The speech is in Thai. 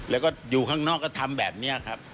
แล้วก็อยู่ข้างนอกก็ทำแบบนี้ครับ